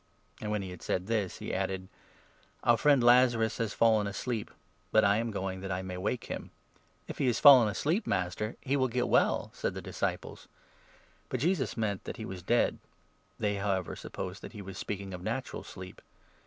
And, when he had said this, he added : n " Our friend Lazarus has fallen asleep ; but I am going that I may wake him. " "If he has fallen asleep, Master, he will get well," said the 12 disciples. But Jesus meant that he was dead ; they, however, supposed 13 that he was speaking of natural sleep.